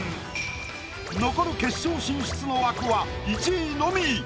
残る決勝進出の枠は１位のみ。